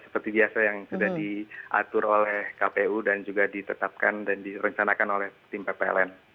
seperti biasa yang sudah diatur oleh kpu dan juga ditetapkan dan direncanakan oleh tim ppln